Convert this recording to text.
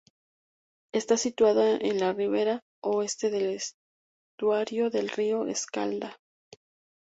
Está situada en la ribera oeste del estuario del río Escalda.